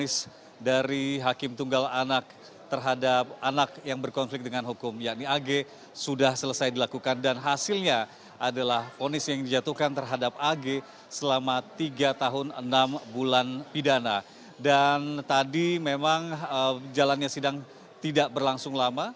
selamat siang selamat siang